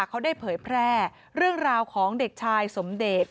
เขาได้เผยแพร่เรื่องราวของเด็กชายสมเดช